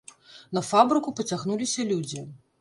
На фабрыку пацягнуліся людзі.